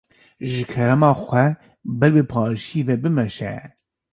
Ji kerema xwe ber bi paşiyê ve bimeşe.